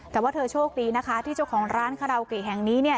แต่ว่าเธอโชคดีนะคะที่เจ้าของร้านคาราโอเกะแห่งนี้เนี่ย